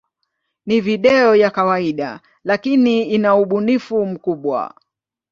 Ni video ya kawaida, lakini ina ubunifu mkubwa.